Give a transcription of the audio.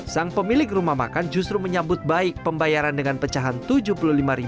sang pemilik rumah makan justru menyambut baik pembayaran dengan pecahan rp tujuh puluh lima